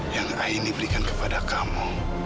yang aini berikan kepada kamu